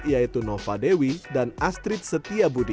yaitu nova dewi dan astrid setia budi